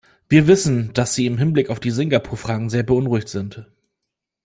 Wir wissen, dass sie im Hinblick auf die Singapur-Fragen sehr beunruhigt sind.